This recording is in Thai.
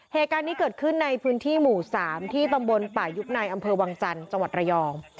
เหตุการณ์นี้เกิดขึ้นในพื้นที่หมู่๓ที่ตำบลป่ายุบในอำเภอวังจันทร์จังหวัดระยอง